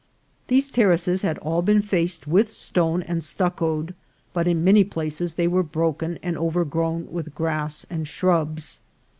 These terraces had all been faced with stone and stuc coed, but in many places they were broken and over grown with grass and shrubs.